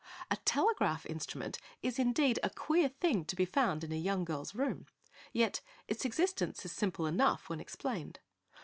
A telegraph instrument is indeed a queer thing to be found in a young girl's room, yet its existence is simple enough when explained.